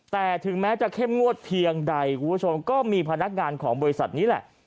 แต่ถึงแม้จะเข้มงวดเพียงใดคุณผู้ชมก็มีพนักงานของบริษัทนี้แหละ